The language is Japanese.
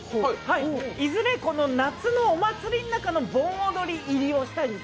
いずれ夏のお祭りの中の盆踊り入りをしたいんです